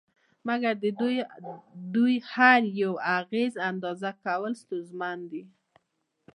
مګر د دوی د هر یوه اغېز اندازه کول ستونزمن دي